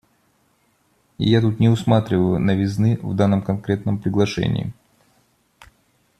И я тут не усматриваю новизны в данном конкретном приглашении.